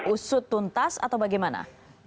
usut tuntas atau bagaimana